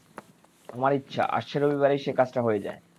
আমার ইচ্ছা, আসছে রবিবারেই সে কাজটা হয়ে যায়।